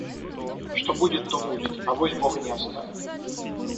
Что будет, то будет; авось бог не оставит.